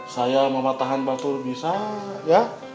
saya mematahkan batu bisa ya